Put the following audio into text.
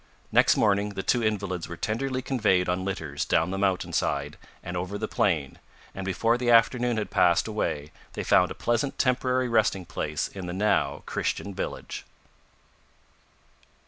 Next morning the two invalids were tenderly conveyed on litters down the mountain side and over the plain, and before the afternoon had passed away, they found a pleasant temporary resting place in the now Christian village.